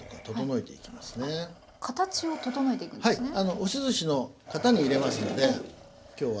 押しずしの型に入れますので今日は。